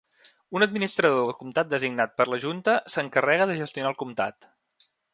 Un administrador del comtat designat per la junta s'encarrega de gestionar el comtat.